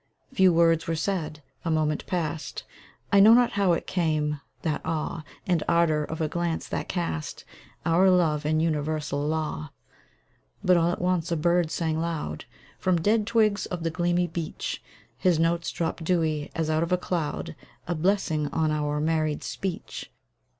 Few words were said; a moment passed; I know not how it came that awe And ardor of a glance that cast Our love in universal law! But all at once a bird sang loud, From dead twigs of the gleamy beech; His notes dropped dewy, as out of a cloud, A blessing on our married speech.